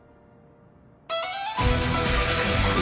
「救いたい」